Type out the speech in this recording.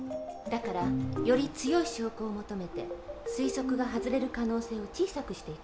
だからより強い証拠を求めて推測が外れる可能性を小さくしていくの。